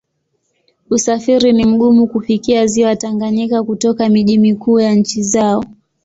Usafiri ni mgumu kufikia Ziwa Tanganyika kutoka miji mikuu ya nchi zao.